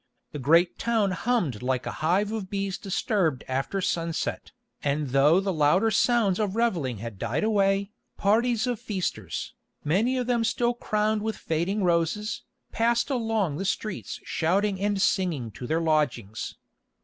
The great town hummed like a hive of bees disturbed after sunset, and though the louder sounds of revelling had died away, parties of feasters, many of them still crowned with fading roses, passed along the streets shouting and singing to their lodgings.